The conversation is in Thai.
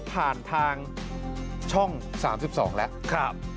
ผ่านทางช่อง๓๒แล้ว